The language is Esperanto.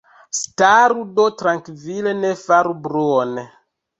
Staru do trankvile, ne faru bruon!